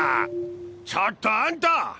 ちょっとあんた！